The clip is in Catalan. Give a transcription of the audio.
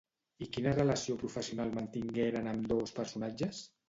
I quina relació professional mantingueren ambdós personatges?